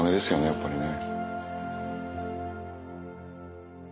やっぱりね。